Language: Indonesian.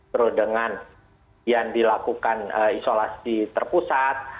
terus dengan yang dilakukan isolasi terpusat